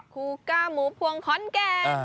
ครูก้าหมูพวงขอนแก่น